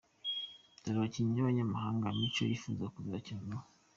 Dore abakinnyi b’abanyamahanga Micho yifuza kuzakina nabo:.